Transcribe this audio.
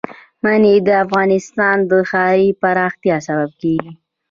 منی د افغانستان د ښاري پراختیا سبب کېږي.